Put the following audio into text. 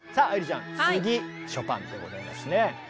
ちゃん次ショパンでございますね。